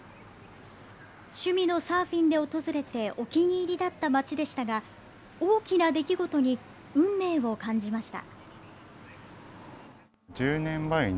趣味のサーフィンで訪れてお気に入りだった町でしたが大きな出来事に運命を感じました。